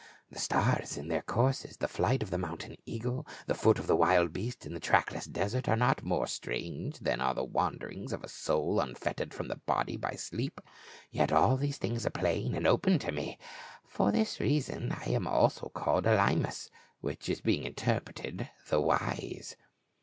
The stars in their courses, the flight of the mountain eagle, the foot of the wild beast in the track less desert are not more strange than are the wander ings of the soul unfettered from the body by sleep, yet all of these things are plain and open unto me : for this reason I am called also Elymas, which is being interpreted. The Wise."